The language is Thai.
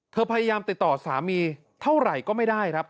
พยายามติดต่อสามีเท่าไหร่ก็ไม่ได้ครับ